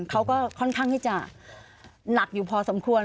เขาก็ค่อนข้างที่จะหนักอยู่พอสมควร